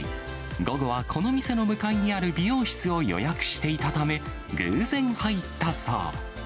午後はこの店の向かいにある美容室を予約していたため、偶然入ったそう。